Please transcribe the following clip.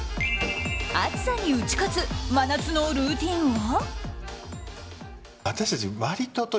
暑さに打ち勝つ真夏のルーティンは？